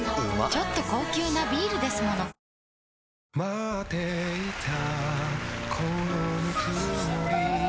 ちょっと高級なビールですもの・久しぶり！